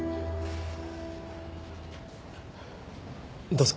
どうぞ。